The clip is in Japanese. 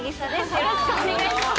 よろしくお願いします。